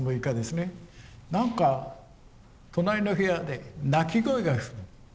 何か隣の部屋で泣き声がする。